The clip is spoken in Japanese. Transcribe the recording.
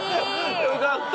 よかった。